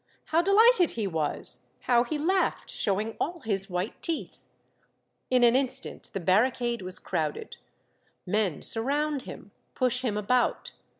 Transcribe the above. How delighted he was ! how he laughed, showing all his white teeth ! In an instant the barricade was crowded. Men surround him, push him about.